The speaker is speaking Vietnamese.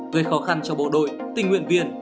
gây khó khăn cho bộ đội tình nguyện viên